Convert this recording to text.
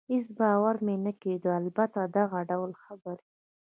هېڅ باور مې نه کېده، البته دغه ډول خبرې.